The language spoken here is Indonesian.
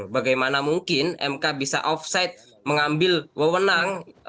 bagaimana mungkin mk bisa offside mengambil wewenang